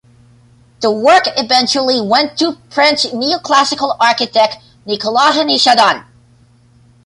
The work eventually went to French neoclassical architect Nicolas-Henri Jardin.